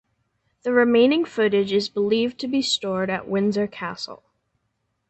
The remaining footage is believed to be stored at Windsor Castle.